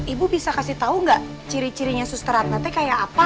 ibu bisa kasih tahu enggak ciri cirinya susteratna teh kayak apa